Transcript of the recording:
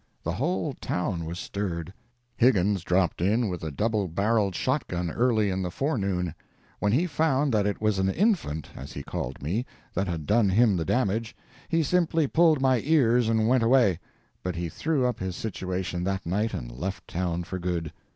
The whole town was stirred. Higgins dropped in with a double barrelled shot gun early in the forenoon. When he found that it was an infant (as he called me) that had done him the damage, he simply pulled my ears and went away; but he threw up his situation that night and left town for good.